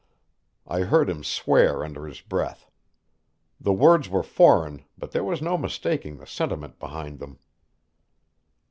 I heard him swear under his breath. The words were foreign, but there was no mistaking the sentiment behind them.